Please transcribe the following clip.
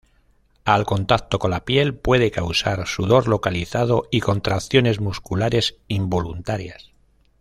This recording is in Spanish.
Al contacto con la piel puede causar sudor localizado y contracciones musculares involuntarias.